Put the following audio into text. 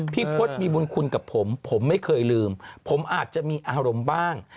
พศมีบุญคุณกับผมผมไม่เคยลืมผมอาจจะมีอารมณ์บ้าง